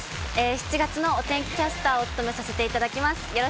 ７月のお天気キャスターを務めさせていただきます。